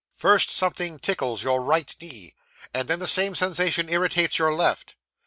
First, something tickles your right knee, and then the same sensation irritates your left.